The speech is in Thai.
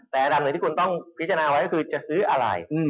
แต่อันดับหนึ่งที่คุณต้องพิจารณาไว้ก็คือจะซื้ออะไร